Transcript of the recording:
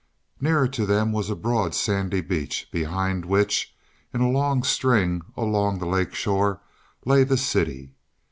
Nearer to them was a broad, sandy beach behind which, in a long string along the lake shore, lay the city.